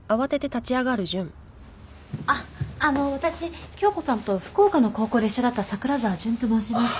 あっあの私響子さんと福岡の高校で一緒だった桜沢純と申します。